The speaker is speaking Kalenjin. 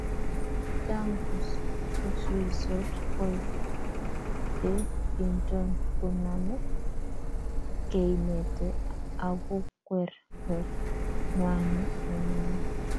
cham kusuisot koik che kinton kuname keimete akukwer koot ng'wany ne mining